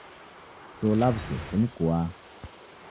Cho lawuke kunikua